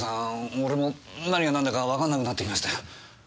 俺もう何が何だかわかんなくなってきました。